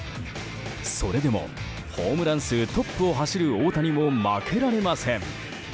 それでも、ホームラン数トップを走る大谷も負けられません。